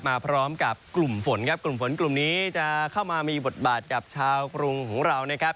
มาพร้อมกับกลุ่มฝนครับกลุ่มฝนกลุ่มนี้จะเข้ามามีบทบาทกับชาวกรุงของเรานะครับ